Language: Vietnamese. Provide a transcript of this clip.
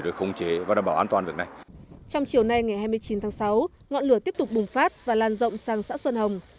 trong chiều nay ngày hai mươi chín tháng sáu ngọn lửa tiếp tục bùng phát và lan rộng sang xã xuân hồng